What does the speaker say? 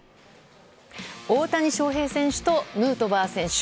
大谷翔平選手とヌートバー選手。